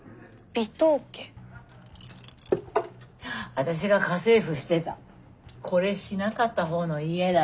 私が家政婦してたこれしなかったほうの家だよ。